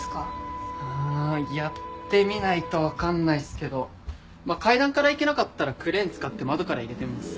うんやってみないとわかんないっすけどまあ階段から行けなかったらクレーン使って窓から入れてみます。